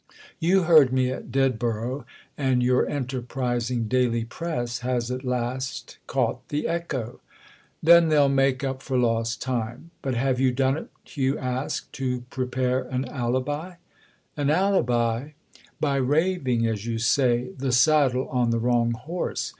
You heard me at Ded borough, and your enterprising daily press has at last caught the echo." "Then they'll make up for lost time! But have you done it," Hugh asked, "to prepare an alibi?" "An alibi?" "By 'raving,' as you say, the saddle on the wrong horse.